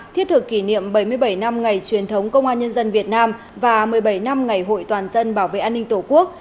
thiết thực kỷ niệm bảy mươi bảy năm ngày truyền thống công an nhân dân việt nam và một mươi bảy năm ngày hội toàn dân bảo vệ an ninh tổ quốc